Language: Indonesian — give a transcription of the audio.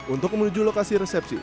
untuk menuju lokasi resepsi